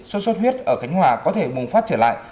sốt xuất huyết ở khánh hòa có thể bùng phát trở lại